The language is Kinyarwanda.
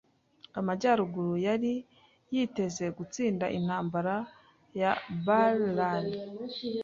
Amajyaruguru yari yiteze gutsinda Intambara ya Bull Run.